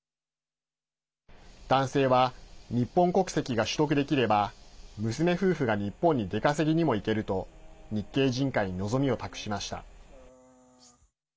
男性は、日本国籍が取得できれば娘夫婦が日本に出稼ぎにも行けると日系人会に望みを託しました。